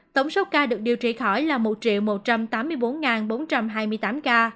tổng số ca được điều trị khỏi là một một trăm tám mươi bốn bốn trăm hai mươi tám ca